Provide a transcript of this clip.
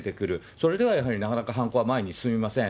それではやはりなかなか犯行は前に進みません。